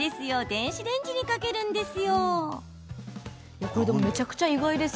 電子レンジにかけるんです。